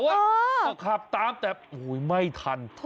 ก็ขับตามแต่ไม่ทัน